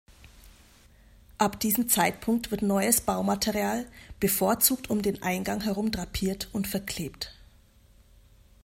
Ab diesem Zeitpunkt wird neues Baumaterial bevorzugt um den Eingang herum drapiert und verklebt.